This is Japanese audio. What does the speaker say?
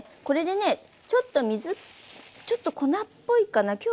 これでねちょっと水ちょっと粉っぽいかな。